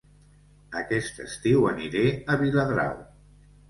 Aquest estiu aniré a Viladrau